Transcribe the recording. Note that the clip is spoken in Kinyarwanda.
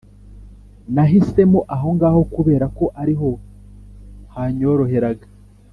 nahisemo aho ngaho kubera ko ariho hanyoroheraga